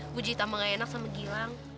gue jahit tambah nggak enak sama gilang